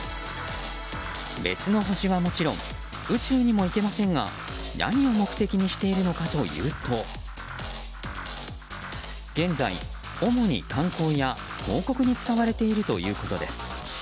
別の星はもちろん宇宙にも行けませんが何を目的にしているのかというと現在、主に観光や広告に使われているということです。